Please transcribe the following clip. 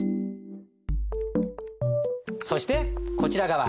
そしてこちら側